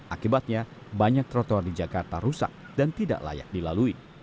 akibatnya banyak trotoar di jakarta rusak dan tidak layak dilalui